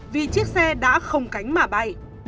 vì chiếc xe đã không cánh mà bay